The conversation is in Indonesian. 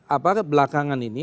apa belakangan ini